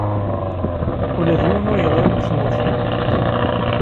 Ula d yiwen ur yeɣri deg tmurt-inu.